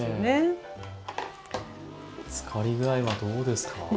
漬かり具合はどうですか？